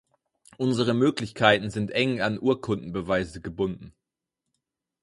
Unsere Möglichkeiten sind eng an Urkundenbeweise gebunden.